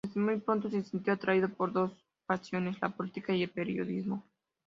Desde muy pronto se sintió atraído por dos pasiones: la política y el periodismo.